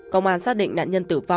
công an xác định nạn nhân tử vong